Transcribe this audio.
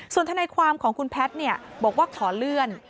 ส่วนทนายความของคุณแพทย์บอกว่าขอเลื่อน